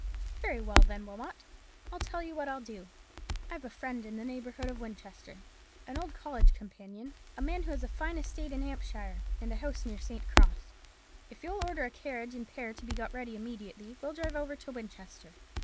Very well, then, Wilmot, I'll tell you what I'll do. I've a friend in the neighbourhood of Winchester, an old college companion, a man who has a fine estate in Hampshire, and a house near St. Cross. If you'll order a carriage and pair to be got ready immediately, we'll drive over to Winchester.